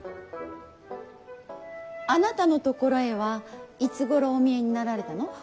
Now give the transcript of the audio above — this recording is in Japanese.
あなたのところへはいつごろお見えになられたの。